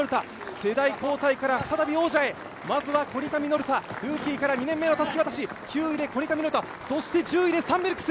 世代交代から再び王者へ、まずはコニカミノルタ、ルーキーから２年目のたすき渡し、９位でコニカミノルタ、１０位でサンベルクス。